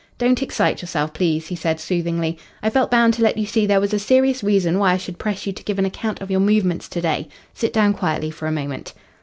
"Don't excite yourself, please," he said soothingly. "I felt bound to let you see there was a serious reason why I should press you to give an account of your movements to day. Sit down quietly for a moment."